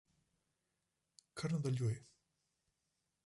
Kar nadaljuj.